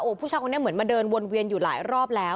ผู้ชายคนนี้เหมือนมาเดินวนเวียนอยู่หลายรอบแล้ว